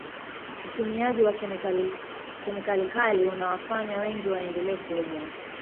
utumiaji wa kemikali kali unawafanya wengi waendelee kuumwa